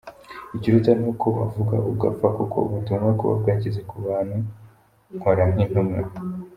Ikiruta ni uko wavuga ugapfa kuko ubutumwa buba bwageze ku bantu; nkora nk’intumwa.